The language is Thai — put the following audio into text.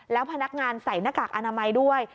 แล้วพนักงานใส่หน้ากากอนามัยด้วย